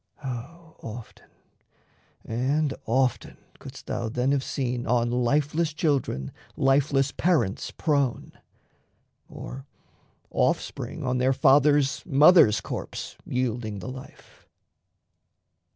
O often and often couldst thou then have seen On lifeless children lifeless parents prone, Or offspring on their fathers', mothers' corpse Yielding the life.